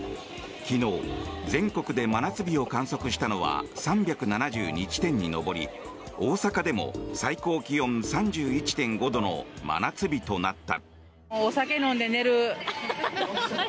昨日、全国で真夏日を観測したのは３７２地点に上り大阪でも最高気温３１．５度の真夏日となった。